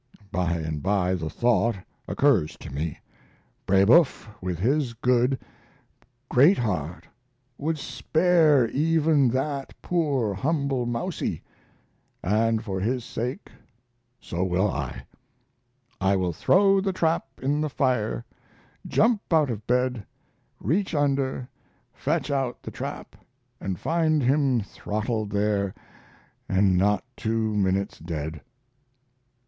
By and by the thought occurs to me, Brebeuf, with his good, great heart would spare even that poor humble mousie and for his sake so will I I will throw the trap in the fire jump out of bed, reach under, fetch out the trap, and find him throttled there and not two minutes dead.